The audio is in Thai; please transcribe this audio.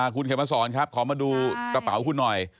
คุณเขมสอนครับขอมาดูกระเป๋าคุณหน่อย